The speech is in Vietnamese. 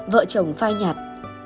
vợ chồng phai nhạt